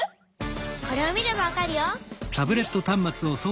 これを見ればわかるよ！